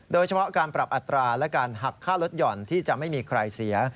โดยเฉพาะการปรับอัตราและการหักค่ารถหย่อนที่จะไม่มีใครเสีย